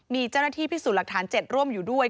มีเจ้าหน้าที่พิสูจน์หลักฐาน๗ร่วมอยู่ด้วย